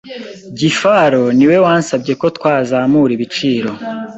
Gifaro niwe wasabye ko twazamura ibiciro.